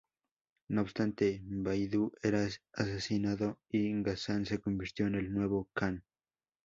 No obstante, Baidu era asesinado y Ghazan se convirtió en el nuevo kan.